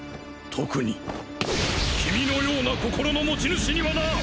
特に君のような心の持ち主にはな！